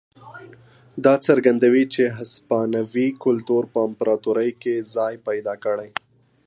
دا څرګندوي چې هسپانوي کلتور په امپراتورۍ کې ځای پیدا کړی.